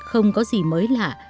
không có gì mới lạ